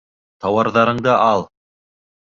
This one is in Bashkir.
— Тауарҙарыңды ал.